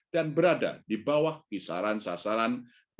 dan berada di bawah kisaran sasaran tiga satu